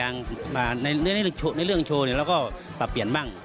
อย่างในเรื่องโชว์เราก็ปรับเปลี่ยนบ้าง